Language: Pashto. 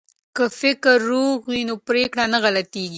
که فکر روغ وي نو پریکړه نه غلطیږي.